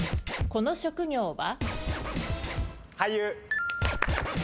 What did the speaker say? この職業は？